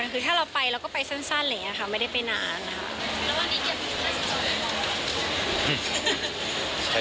คือถ้าเราไปเราก็ไปสั้นไม่ได้ไปนานค่ะ